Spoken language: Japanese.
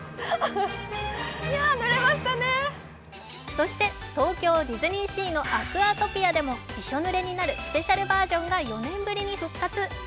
そして東京ディズニーシーのアクアトピアでもびしょ濡れになるスペシャルバージョンが４年ぶりに復活。